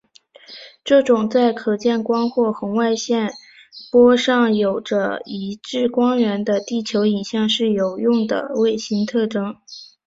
这种在可见光或红外线波长上有着一致光源的地球影像是有用的卫星特征。